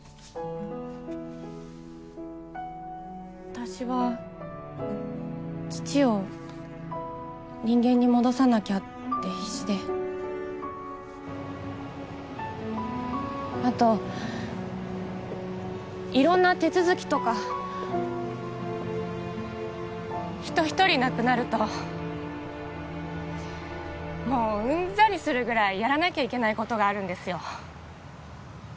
私は父を人間に戻さなきゃって必死であと色んな手続きとか人ひとり亡くなるともううんざりするぐらいやらなきゃいけないことがあるんですよ